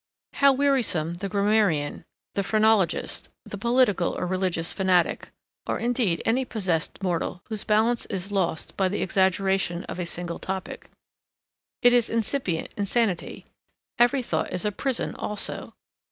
How wearisome the grammarian, the phrenologist, the political or religious fanatic, or indeed any possessed mortal whose balance is lost by the exaggeration of a single topic. It is incipient insanity. Every thought is a prison also.